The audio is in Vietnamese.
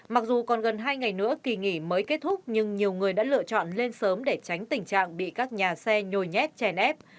mặc dù còn gần hai ngày nữa kỳ nghỉ mới kết thúc nhưng nhiều người đã lựa chọn lên sớm để tránh tình trạng bị các nhà xe nhồi nhét chèn ép